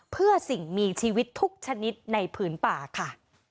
เพื่อสิ่งมีชีวิตทุกชนิดในผืนป่าค่ะ